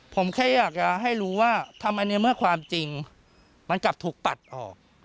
ผมแค่อยากจะให้รู้ว่าทำไมในเมื่อความจริงมันกลับถูกปัดออก